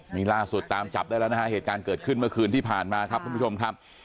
นี่ล่าสุดตามจับได้แล้วนะฮะเหตุการณ์เกิดขึ้นเมื่อคืนที่ผ่านมาครับทุกผู้ชมครับ